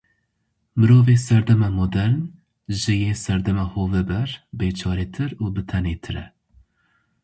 Mirovê serdema modern, ji yê serdema hoveber bêçaretir û bitenêtir e.